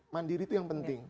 mandiri itu yang penting